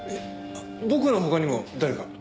僕の他にも誰か？